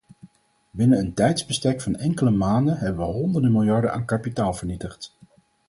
Binnen een tijdsbestek van enkele maanden hebben we honderden miljarden aan kapitaal vernietigd.